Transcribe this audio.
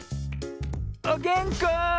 おげんこ！